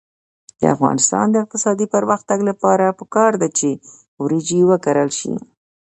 د افغانستان د اقتصادي پرمختګ لپاره پکار ده چې وریجې وکرل شي.